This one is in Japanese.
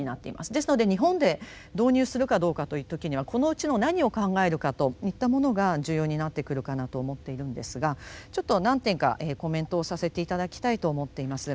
ですので日本で導入するかどうかという時にはこのうちの何を考えるかといったものが重要になってくるかなと思っているんですがちょっと何点かコメントをさせて頂きたいと思っています。